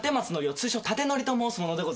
通称タテノリと申す者でございます。